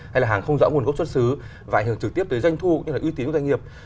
hay là hàng không rõ nguồn gốc xuất xứ và ảnh hưởng trực tiếp tới doanh thu cũng như là uy tín của doanh nghiệp